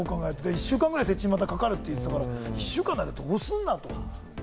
１週間ぐらいまた設置にかかるって言ってましたから、１週間ないとどうするんだって。